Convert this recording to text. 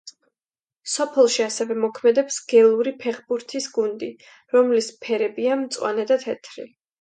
სოფელში, ასევე, მოქმედებს გელური ფეხბურთის გუნდი, რომლის ფერებია მწვანე და თეთრი.